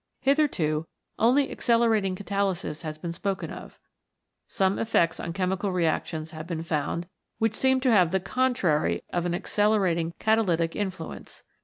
Hitherto only accelerating catalysis has been spoken of. Some effects on chemical reactions have been found which seem to have the contrary of an accelerating catalytic influence.